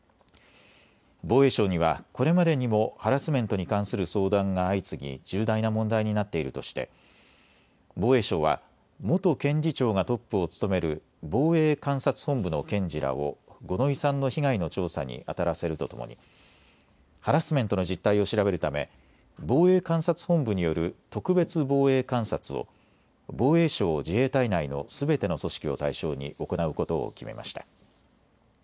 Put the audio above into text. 防衛省にはこれまでにもハラスメントに関する相談が相次ぎ重大な問題になっているとして防衛省は元検事長がトップを務める防衛監察本部の検事らを五ノ井さんの被害の調査にあたらせるとともにハラスメントの実態を調べるため防衛監察本部による特別防衛監察を防衛省・自衛隊内のすべての組織を対象に行うことを決めました。